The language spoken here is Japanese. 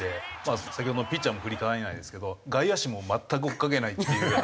先ほどのピッチャーも振り返らないんですけど外野手も全く追いかけないという。